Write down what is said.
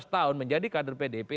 sembilan belas tahun menjadi kader pdp